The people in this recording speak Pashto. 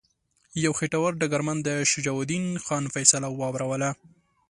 یو خیټور ډګرمن د شجاع الدین خان فیصله واوروله.